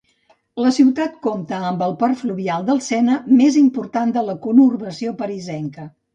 La ciutat compta amb el port fluvial del Sena més important de la conurbació parisenca.